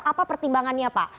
apa pertimbangannya pak